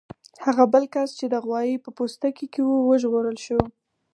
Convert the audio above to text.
هغه بل کس چې د غوايي په پوستکي کې و وژغورل شو.